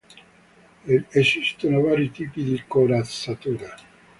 Esistono vari tipi di corazzatura.